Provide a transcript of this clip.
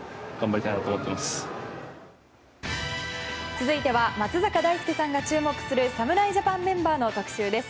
続いては松坂大輔さんが注目する侍ジャパンメンバーの特集です。